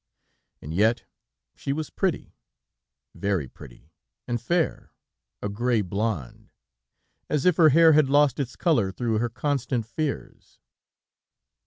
And yet she was pretty, very pretty and fair, a gray blonde, as if her hair had lost its color through her constant fears.